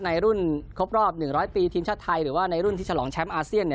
ในรุ่นครบรอบ๑๐๐ปีทีมชาติไทยหรือว่าในรุ่นที่ฉลองแชมป์อาเซียน